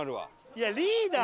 いやリーダー！